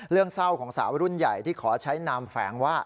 เรื่องเศร้าของสาวรุ่นใหญ่ที่ขอใช้นามแฝงว่า